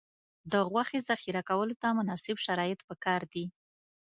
د غوښې ذخیره کولو ته مناسب شرایط پکار دي.